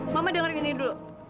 mama dengar ini dulu